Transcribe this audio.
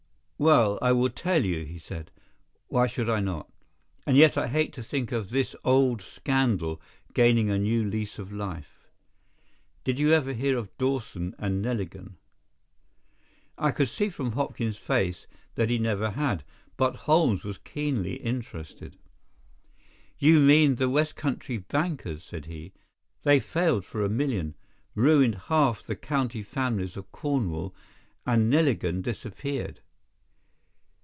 "Well, I will tell you," he said. "Why should I not? And yet I hate to think of this old scandal gaining a new lease of life. Did you ever hear of Dawson and Neligan?" I could see, from Hopkins's face, that he never had, but Holmes was keenly interested. "You mean the West Country bankers," said he. "They failed for a million, ruined half the county families of Cornwall, and Neligan disappeared."